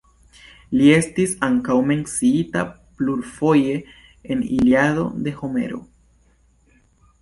Li estis ankaŭ menciita plurfoje en "Iliado", de Homero.